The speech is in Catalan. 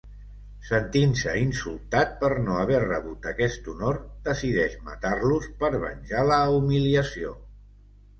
Sentint-se insultat per no haver rebut aquest honor, decideix matar-los per venjar la humiliació.